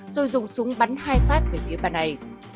rồi dùng súng bắn hai phát về phía bà này